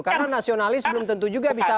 karena nasionalis belum tentu juga bisa